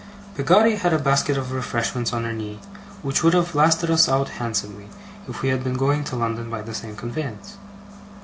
Peggotty had a basket of refreshments on her knee, which would have lasted us out handsomely, if we had been going to London by the same conveyance.